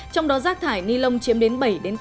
trong đó rác thải ni lông chiếm đến bảy tám